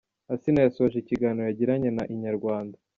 Asinah yasoje ikiganiro yagiranye na Inyarwanda.